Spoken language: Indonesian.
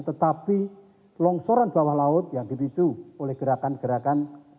tetapi longsoran bawah laut yang dipicu oleh gerakan gerakan